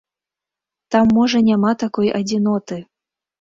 Там можа няма такой адзіноты.